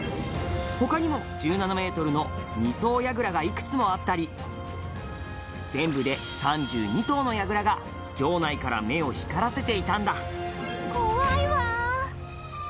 他にも、１７ｍの二層櫓がいくつもあったり全部で３２棟の櫓が城内から目を光らせていたんだ怖いわ！